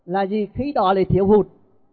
là gì khí đỏ thì thiếu hụt